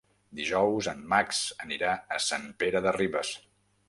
Dijous en Max anirà a Sant Pere de Ribes.